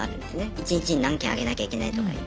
一日に何件上げなきゃいけないとかいう。